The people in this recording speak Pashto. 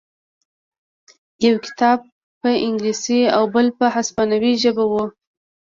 یو کتاب په انګلیسي او بل په هسپانوي ژبه و